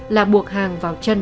là buộc hàng vào chân